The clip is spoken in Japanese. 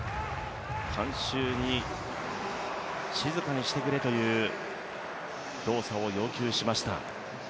観衆に静かにしてくれという動作を要求しました。